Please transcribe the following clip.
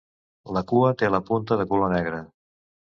La cua té la punta de color negre.